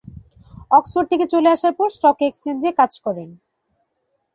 Oxford থেকে চলে আসার পর স্টক এক্সচেঞ্জে কাজ করেন।